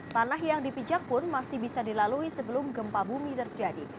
tanah yang dipijak pun masih bisa dilalui sebelum gempa bumi terjadi